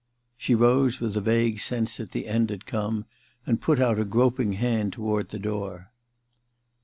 She rose with a vague sense that the end had come, and put out a groping hand toward the door.